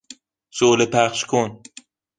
شعله پخشکن